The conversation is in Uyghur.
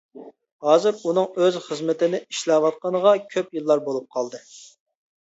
ھازىر ئۇنىڭ ئۆز خىزمىتىنى ئىشلەۋاتقىنىغا كۆپ يىللار بولۇپ قالدى.